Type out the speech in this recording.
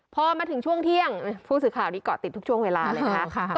พอมาถึงช่วงเที่ยงผู้สื่อข่าวนี้เกาะติดทุกช่วงเวลาเลยนะคะ